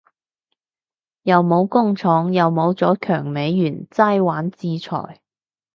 又冇工廠又冇咗強美元齋玩制裁